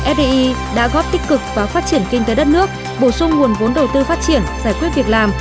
fdi đã góp tích cực vào phát triển kinh tế đất nước bổ sung nguồn vốn đầu tư phát triển giải quyết việc làm